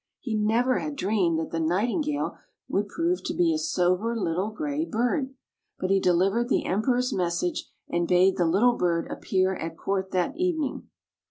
He never had dreamed that the Nightingale would prove to be a sober little gray bird. But he delivered the Emperor's message, and bade the little bird appear at court that evening.